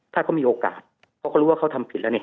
ถ้าเขามีโอกาสเขาก็รู้ว่าเขาทำผิดแล้วเนี่ย